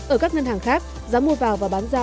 ở các ngân hàng khác giá mua vào và bán ra